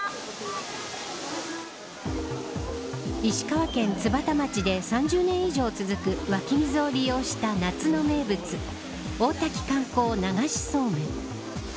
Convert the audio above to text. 石川県津幡町で３０年以上続く湧き水を利用した夏の名物大滝観光流しそうめん。